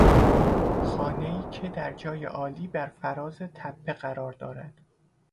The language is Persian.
خانهای که در جای عالی برفراز تپه قرار دارد